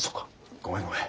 ごめんごめん。